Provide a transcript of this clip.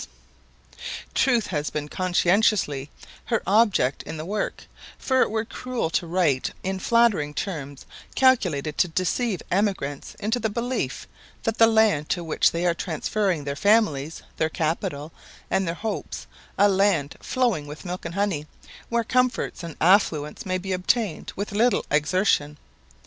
[Illustration: Peter, the Chief] Truth has been conscientiously her object in the work, for it were cruel to write in flattering terms calculated to deceive emigrants into the belief that the land to which they are transferring their families, their capital, and their hopes, a land flowing with milk and honey, where comforts and affluence may be obtained with little exertion.